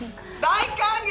大歓迎！